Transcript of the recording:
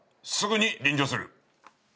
すぐに臨場する。